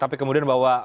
tapi kemudian bahwa